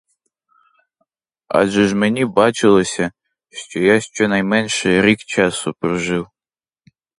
Адже ж мені бачилося, що я щонайменше рік часу прожив.